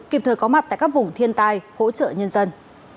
kịp thời có mặt tại các vùng thiên tai hỗ trợ nhân dân